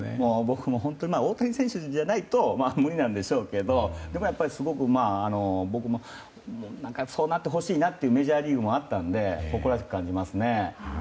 大谷選手じゃないと無理なんでしょうけどでも、僕もすごくそうなってほしいなというのがメジャーリーグにもあったんで誇らしく感じますね。